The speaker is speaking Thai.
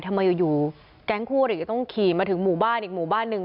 ทำไมอยู่แก๊งคู่อริจะต้องขี่มาถึงหมู่บ้านอีกหมู่บ้านหนึ่ง